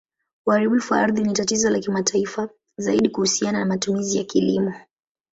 Uharibifu wa ardhi ni tatizo la kimataifa, zaidi kuhusiana na matumizi ya kilimo.